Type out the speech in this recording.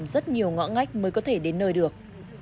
rất nhiều ngõ ngách mới có thể đến nơi được